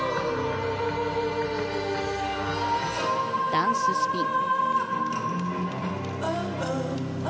ダンススピン。